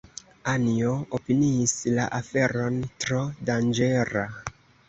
Anjo opiniis la aferon tro danĝera.